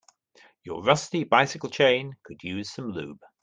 Your rusty bicycle chain could use some lube.